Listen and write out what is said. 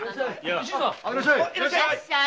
いらっしゃい。